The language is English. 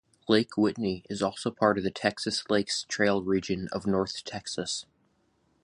Lake Whitney is also part of the Texas Lakes Trail Region of North Texas.